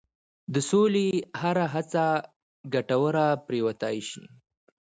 د سولې هره هڅه ګټوره پرېوتای شي.